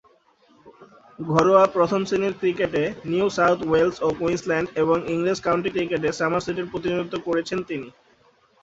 ঘরোয়া প্রথম-শ্রেণীর ক্রিকেটে নিউ সাউথ ওয়েলস ও কুইন্সল্যান্ড এবং ইংরেজ কাউন্টি ক্রিকেটে সমারসেটের প্রতিনিধিত্ব করেছেন তিনি।